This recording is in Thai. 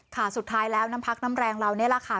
สุดท้ายแล้วน้ำพักน้ำแรงเรานี่แหละค่ะ